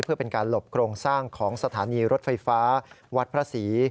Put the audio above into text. เพื่อเป็นการหลบโครงสร้างของสถานีรถไฟฟ้าวัดพระศรี